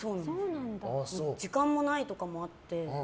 時間もないとかもあって。